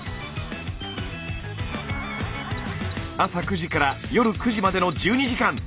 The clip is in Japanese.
朝９時から夜９時までの１２時間。